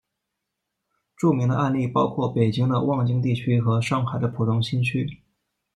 著名的案例包括北京的望京地区和上海的浦东新区。